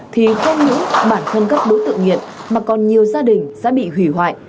thì không những bản thân các đối tượng nghiện mà còn nhiều gia đình sẽ bị hủy hoại